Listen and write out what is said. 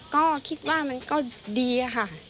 ก็คิดว่ามันก็ดีค่ะ